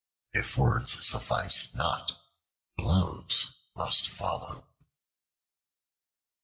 If words suffice not, blows must follow.